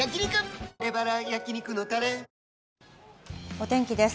お天気です。